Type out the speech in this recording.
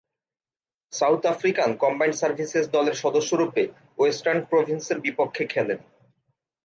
South African Combined Services দলের সদস্যরূপে Western প্রভিন্সের বিপক্ষে খেলেন।